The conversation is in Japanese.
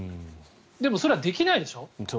でもそれはできないでしょ？